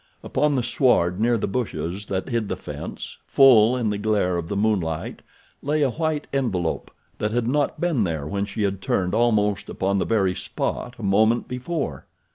Upon the sward near the bushes that hid the fence, full in the glare of the moonlight, lay a white envelope that had not been there when she had turned almost upon the very spot a moment before.